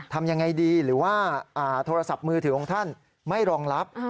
ทำยังไงดีหรือว่าโทรศัพท์มือถือของท่านไม่รองรับ